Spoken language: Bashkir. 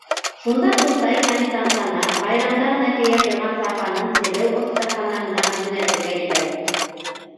Шунда туҡтай һәм тантана, байрамда ғына кейә торған сапанын тегеү оҫтаханаһына йүнәтергә ебәрә.